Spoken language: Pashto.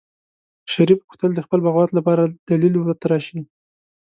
شريف غوښتل د خپل بغاوت لپاره دليل وتراشي.